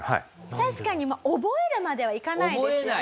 確かに覚えるまではいかないですよね。